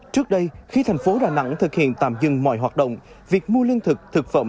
trước đây khi tp đà nẵng thực hiện tạm dừng mọi hoạt động việc mua liên thực thực phẩm